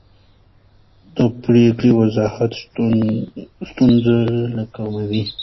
د پرېکړو وضاحت ستونزې کموي